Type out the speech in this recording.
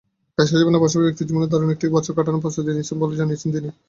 পেশাজীবনের পাশাপাশি ব্যক্তিজীবনেও দারুণ একটি বছর কাটানোর প্রস্তুতি নিচ্ছেন বলেই জানিয়েছেন তিনি।